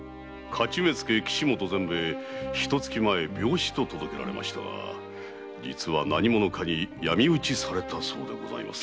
徒目付・岸本善兵衛病死と届けられましたが実は何者かに闇討ちされたそうでございます。